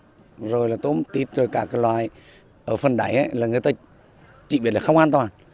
nhưng mà người ta chỉ có biết là cái loài hải sản ví dụ tôm cua mực rồi là tôm tít rồi cả cái loài ở phần đáy là người ta chỉ biết là không an toàn